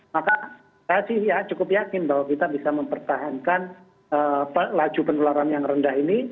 maka saya sih ya cukup yakin bahwa kita bisa mempertahankan laju penularan yang rendah ini